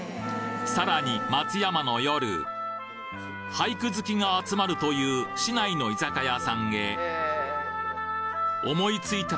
さらに松山の夜俳句好きが集まるという市内の居酒屋さんへなお店へ。